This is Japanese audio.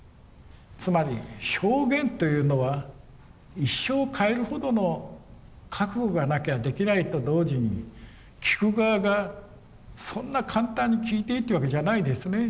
つまり証言というのは一生を変えるほどの覚悟がなきゃできないと同時に聞く側がそんな簡単に聞いていいっていうわけじゃないですね。